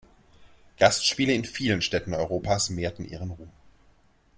Gastspiele in vielen Städten Europas mehrten ihren Ruhm.